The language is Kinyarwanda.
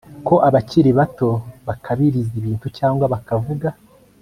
ko abakiri bato bakabiriza ibintu cyangwa bakavuga